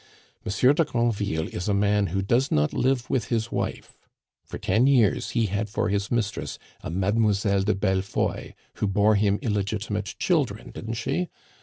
Monsieur de Granville is a man who does not live with his wife; for ten years he had for his mistress a Mademoiselle de Bellefeuille, who bore him illegitimate children didn't she?